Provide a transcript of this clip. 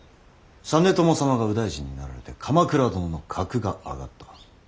実朝様が右大臣になられて鎌倉殿の格が上がった。